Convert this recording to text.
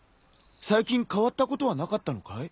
最近変わったことはなかったのかい？